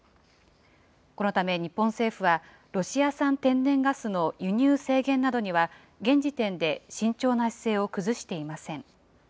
このため日本政府は、ロシア産天然ガスの輸入制限などには、現時点で慎重な姿勢を崩していません。